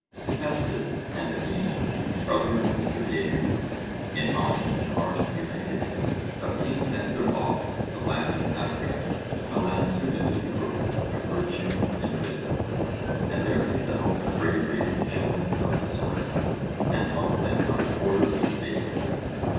Hephaestus and Athena, brother and sister deities, in mind and art united, obtained as their lot the land of Attica, a land suited to the growth of virtue and wisdom; and there they settled a brave race of children of the soil, and taught them how to order the state.